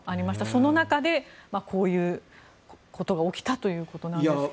その中でこういうことが起きたということですが。